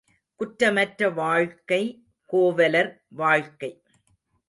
குற்றமற்ற வாழ்க்கை கோவலர் வாழ்க்கை.